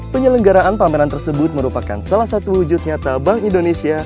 penyelenggaraan pameran tersebut merupakan salah satu wujud nyata bank indonesia